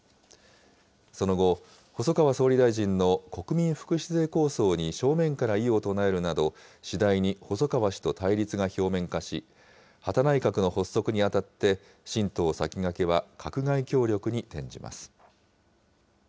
その後、細川総理大臣の国民福祉税構想に正面から異を唱えるなど、次第に細川氏と対立が表面化し、羽田内閣の発足にあたって、新党さきがけは閣外協力に転じます。